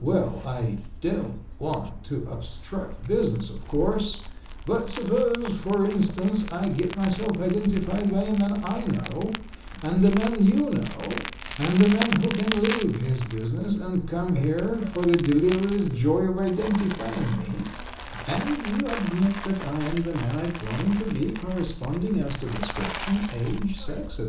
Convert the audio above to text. "Well, I don't want to obstruct business, of course, but suppose, for instance, I get myself identified by a man I know and a man you know, and a man who can leave his business and come here for the delirious joy of identifying me, and you admit that I am the man I claim to be, corresponding as to description, age, sex, etc.